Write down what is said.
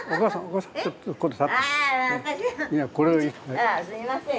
あすいません。